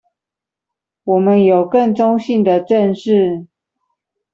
我們有更中性的「正視」